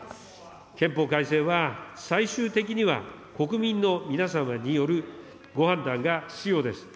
憲法改正は、最終的には、国民の皆様によるご判断が必要です。